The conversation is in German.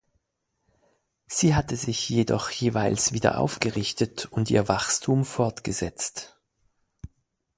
Sie hatte sich jedoch jeweils wieder aufgerichtet und ihr Wachstum fortgesetzt.